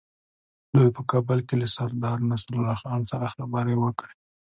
دوی په کابل کې له سردار نصرالله خان سره خبرې وکړې.